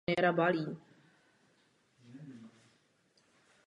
Zemí, které pomohly rychle a efektivně, nebylo mnoho.